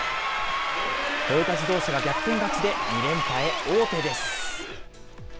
トヨタ自動車が逆転勝ちで２連覇へ、王手です。